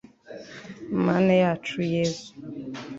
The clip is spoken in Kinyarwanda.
mana yacu yezu